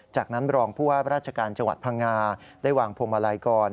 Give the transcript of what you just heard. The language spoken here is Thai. จากนั้นรองผู้ว่าราชการจังหวัดพังงาได้วางพวงมาลัยก่อน